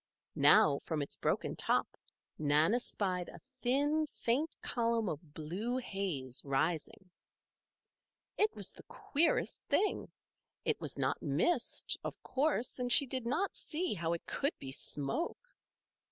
Now, from its broken top, Nan espied a thin, faint column of blue haze rising. It was the queerest thing! It was not mist, of course and she did not see how it could be smoke.